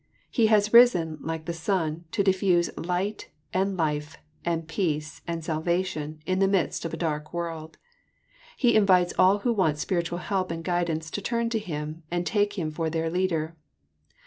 He has risen, like the sun, to diffuse light, and life, and peace, and salvation, in the midst of a dark world. He invites all who want spiritual help and guidance to turn to Him, and take Him for their leader.